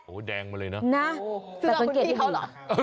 โหเดงมาเลยนะผลังเกตให้เห็นหรอ